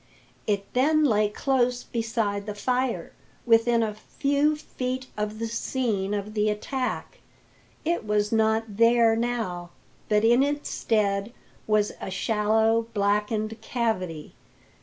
It then lay close beside the fire, within a few feet of the scene of the attack. It was not there now, but in its stead was a shallow, blackened cavity.